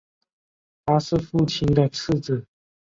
他是父亲的次子。